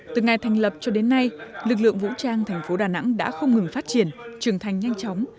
từ ngày thành lập cho đến nay lực lượng vũ trang thành phố đà nẵng đã không ngừng phát triển trưởng thành nhanh chóng